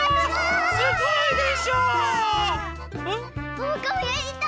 おうかもやりたい！